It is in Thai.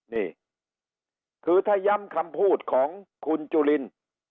นี่คือถ้าย้ำคำพูดของคุณจุลิน